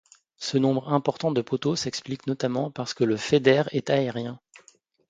Ce nombre important de poteaux s'explique notamment parce que le feeder est aérien.